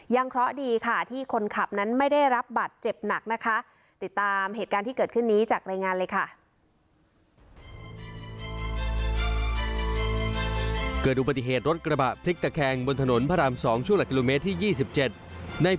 ยังเคราะห์ดีค่ะที่คนขับนั้นไม่ได้รับบัตรเจ็บหนักนะคะ